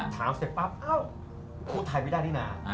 เสร็จปั๊บเอ้าพูดไทยไม่ได้นี่นะ